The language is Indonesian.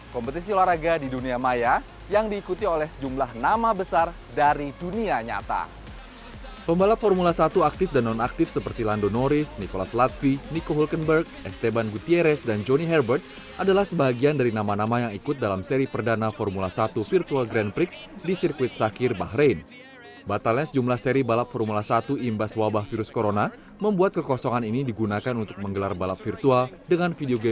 kompetisi olahraga di dunia maya yang diikuti oleh sejumlah nama besar dari dunia nyata